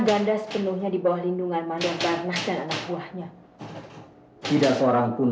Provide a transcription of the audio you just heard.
ganda sepenuhnya dibawa lindungan mandor barmas dan anak buahnya tidak seorangpun